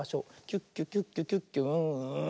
キュッキュキュッキュキュッキュウーン！